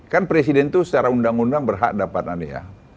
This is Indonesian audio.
kan presiden itu secara undang undang berhak dapat anda ya